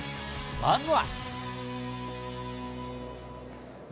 まずは。